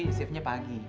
tapi servisnya pagi